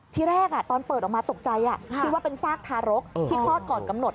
ที่แรกตอนเปิดออกมาตกใจคิดว่าเป็นซากทารกที่คลอดก่อนกำหนด